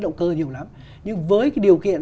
động cơ nhiều lắm nhưng với cái điều kiện